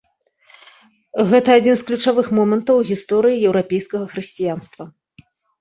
Гэта адзін з ключавых момантаў у гісторыі еўрапейскага хрысціянства.